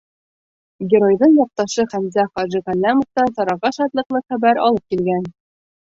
Геройҙың яҡташы Хәмзә хажи Ғәлләмов та сараға шатлыҡлы хәбәр алып килгән.